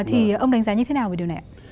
thì ông đánh giá như thế nào về điều này ạ